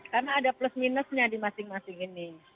karena ada plus minusnya di masing masing ini